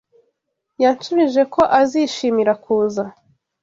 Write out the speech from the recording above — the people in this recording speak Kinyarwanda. Yansubije ko azishimira kuza.